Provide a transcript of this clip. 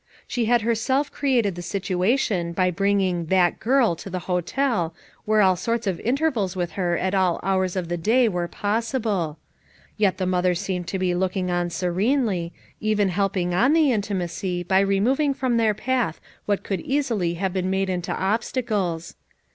She had herself created the situation by bringing "that girl" to the hotel where all FOUR MOTHERS AT CHAUTAUQUA 319 sorts of intervals with lior at all hours of the day were possible; yet the mother seemed to be looking on serenely, even helping on the in timacy by removing from their path what could easily have been made into obstacles.